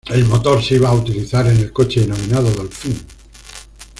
El motor se iba a utilizar en el coche denominado "Dolphin".